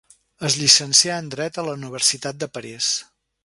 Es llicencià en dret a la Universitat de París.